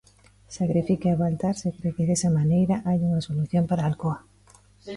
Sacrifique a Baltar se cre que desa maneira hai unha solución para Alcoa.